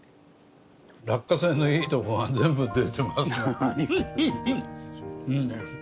落花生のいいとこが全部出てますね。